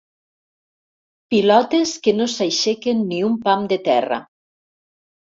Pilotes que no s'aixequen ni un pam de terra.